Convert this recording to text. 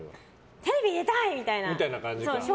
テレビ出たい！みたいな。